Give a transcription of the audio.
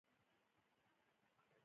دا سندونه باید د اصولو سره سمون ولري.